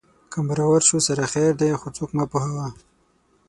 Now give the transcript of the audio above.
که مرور شو سره خیر دی خو څوک مه پوهوه